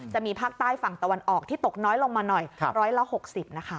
จะมีภาคใต้ฝั่งตะวันออกที่ตกน้อยลงมาหน่อย๑๖๐นะคะ